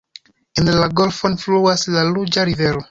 En la golfon fluas la ruĝa rivero.